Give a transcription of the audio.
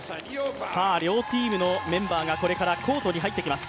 両チームのメンバーがこれからコートに入ってきます。